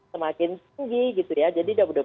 semakin tinggi gitu ya jadi udah